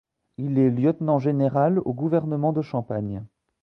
Il est lieutenant général au gouvernement de Champagne.